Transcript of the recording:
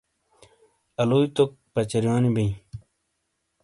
آلویئ توک پچرونی بئے